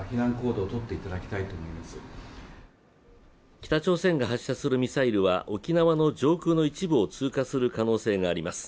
北朝鮮が発射するミサイルは沖縄の上空の一部を通過する可能性があります。